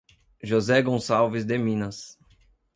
José Gonçalves de Minas